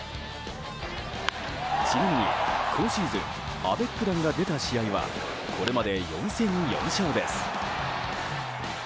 ちなみに今シーズンアベック弾が出た試合はこれまで４戦４勝です。